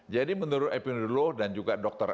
jadi menurut epidemiolog dan juga dokter